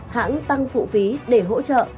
hãng tăng phụ phí để hỗ trợ